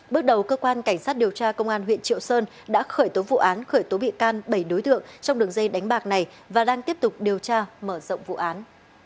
bước đầu cơ quan cảnh sát điều tra công an huyện triệu sơn đã khởi tố vụ án khởi tố bị can bảy đối tượng trong đường dây đánh bạc này và đang tiếp tục điều tra mở rộng vụ án